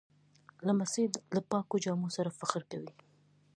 لمسی له پاکو جامو سره فخر کوي.